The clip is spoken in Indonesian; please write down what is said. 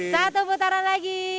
satu putaran lagi